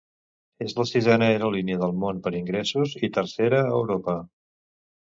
És la sisena aerolínia del món per ingressos i tercera a Europa.